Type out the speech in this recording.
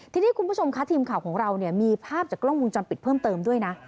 ทีนี้คุณผู้ชมค่ะทีมข่าวของเราเนี่ยมีภาพจากกล้องวงจรปิดเพิ่มเติมด้วยนะ